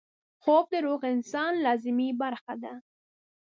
خوب د روغ انسان لازمي برخه ده